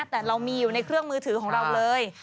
แต่เรามีอยู่ในเครื่องมือถือของเราเลย